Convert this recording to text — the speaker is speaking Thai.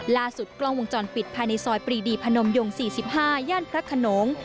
กล้องวงจรปิดภายในซอยปรีดีพนมยง๔๕ย่านพระขนง